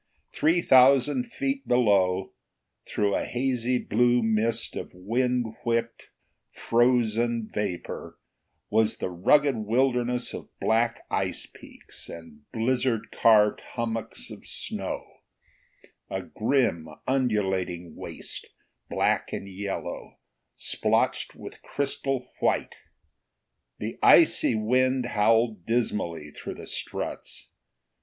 Three thousand feet below, through a hazy blue mist of wind whipped, frozen vapor, was the rugged wilderness of black ice peaks and blizzard carved hummocks of snow a grim, undulating waste, black and yellow, splotched with crystal white. The icy wind howled dismally through the struts.